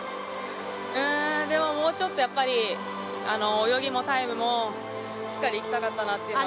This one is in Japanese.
でももうちょっとやっぱり泳ぎもタイムもしっかりいきたかったなと。